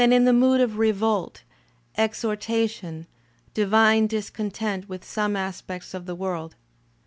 in the mood of revolt, exhortation, divine discontent with some ■/> aspects of the world.